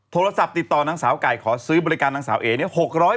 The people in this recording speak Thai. โทรศัพท์ติดต่อนางสาวไก่ขอซื้อบริการนางสาวเอ๋เนี่ย